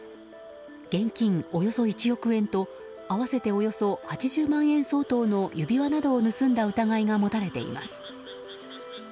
現金およそ１億円と合わせておよそ８０万円相当の指輪などを盗んだ疑いが持たれています。